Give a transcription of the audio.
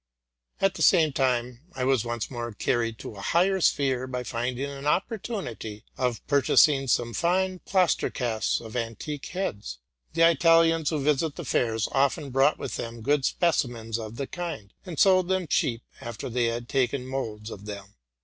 At the same time, I was once more carried into a higher sphere, by finding an opportunity of purchasing some fine plaster casts of antique heads. The Italians, who visit the fairs, often brought with them good specimens of the kind, and sold them cheap, after they had taken moulds of them.